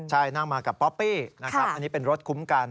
ใช่นั่งมากับป๊อปปี้นะครับอันนี้เป็นรถคุ้มกัน